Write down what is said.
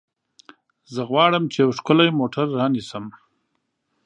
زه غواړم چې یو ښکلی موټر رانیسم.